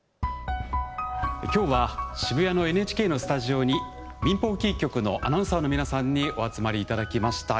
今日は渋谷のＮＨＫのスタジオに民放キー局のアナウンサーの皆さんにお集まりいただきました。